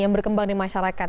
yang berkembang di masyarakat